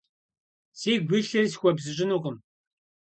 Сигу илъыр схуэбзыщӀынукъым…